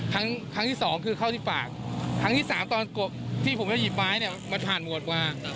ครั้งครั้งที่สองคือเข้าที่ปากครั้งที่สามตอนที่ผมไปหยิบไม้เนี่ยมันผ่านหมวดกว่า